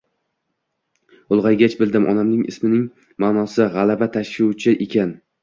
Ulg`aygach bildim, onamning ismining ma`nosi g`alaba tashuvchi ekan